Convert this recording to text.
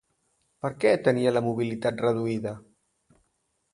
Per què tenia la mobilitat reduïda?